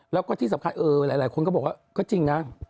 แล้วก็ที่สำคัญหลายคนก็บอกว่าก็จริงนะ